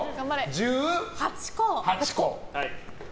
１８個。